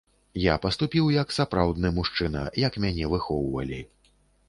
Я паступіў як сапраўдны мужчына, як мяне выхоўвалі.